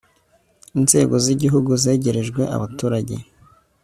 inzego z' igihugu zegerejwe abaturage